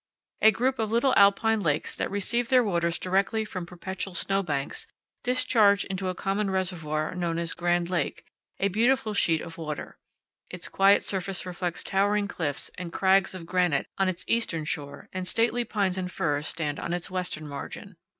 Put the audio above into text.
A group of little alpine lakes, that receive their waters directly from perpetual snowbanks, discharge into a common reservoir known as Grand Lake, a beautiful sheet of water. Its quiet surface reflects towering cliffs and crags of granite on its eastern shore, and stately pines and firs stand on its western margin.